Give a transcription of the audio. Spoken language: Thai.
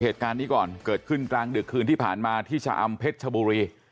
เหตุการณ์นี้ก่อนเกิดขึ้นกลางดึกคืนที่ผ่านมาที่ชะอำเพชรชบุรี